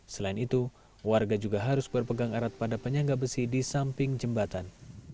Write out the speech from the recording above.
selain itu warga juga harus berpegang erat pada penyangga besi di samping jembatan